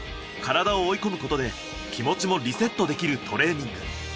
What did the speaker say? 体を追い込むことで気持ちもリセットできるトレーニング。